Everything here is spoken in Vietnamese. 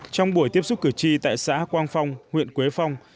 trong buổi tiếp xúc cử tri tại xã quang phong huyện quế phong